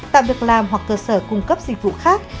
tạo việc làm hoặc cơ sở cung cấp dịch vụ khác